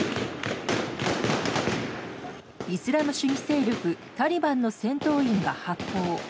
イスラム主義勢力タリバンの戦闘員が発砲。